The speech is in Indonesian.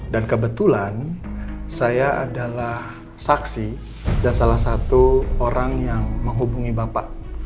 dan kebetulan saya adalah saksi dan salah satu orang yang menghubungi bapak